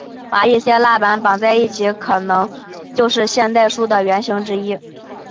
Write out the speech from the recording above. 把一些蜡板绑在一起可能就是现代书的原型之一。